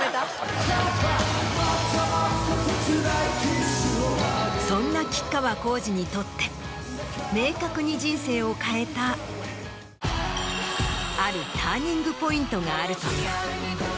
もっともっとせつないＫＩＳＳをそんな吉川晃司にとって明確に人生を変えたあるターニングポイントがあるという。